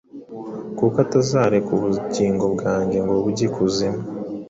Kuko utazareka ubugingo bwanjye ngo bujye ikuzimu,